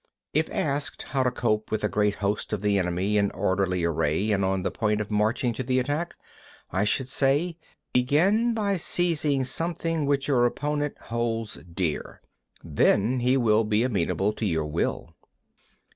18. If asked how to cope with a great host of the enemy in orderly array and on the point of marching to the attack, I should say: "Begin by seizing something which your opponent holds dear; then he will be amenable to your will."